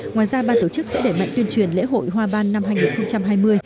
ngoài ra ban tổ chức sẽ đẩy mạnh tuyên truyền lễ hội hoa ban năm hai nghìn hai mươi